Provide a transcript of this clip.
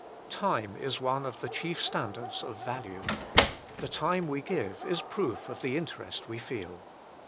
Time is one of the chief standards of value. The time we give is a proof of the interest we feel.